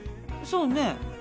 そうね。